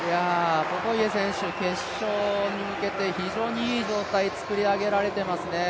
ポトイエ選手、決勝に向けて非常にいい状態、作り上げられていますね。